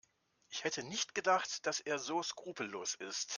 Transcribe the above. Ich hätte nicht gedacht, dass er so skrupellos ist.